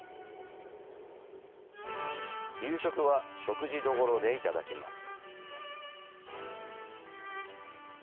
夕食は食事処でいただきます。